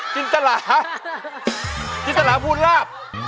จินตะหลา